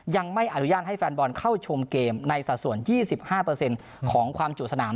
ยังไม่อนุญาตให้แฟนบอลเข้าชมเกมในสัดส่วน๒๕ของความจุสนาม